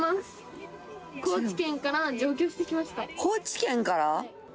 高知県から？